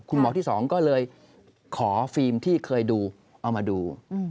คุณหมอที่๒ก็เลยขอฟิล์มที่เคยดูเอามาดู